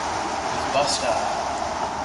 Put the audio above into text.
We've bust up.